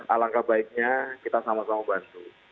alangkah baiknya kita sama sama bantu